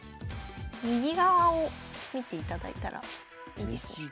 右側を見ていただいたらいいですね。右側。